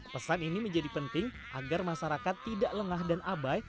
pesan ini menjadi penting agar masyarakat tidak lengah dan abai